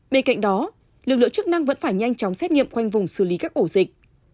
bên cạnh đó lực lượng chức năng vẫn phải nhanh chóng xét nghiệm khoanh vùng xử lý các ổ dịch